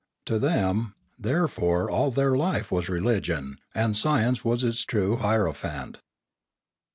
To them therefore all their life was religion, and science was its true hiero phant.